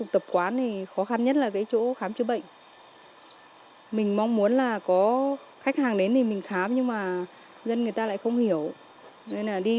tự sinh con tại nhà